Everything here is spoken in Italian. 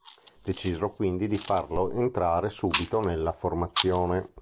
Decisero quindi di farlo entrare subito nella formazione.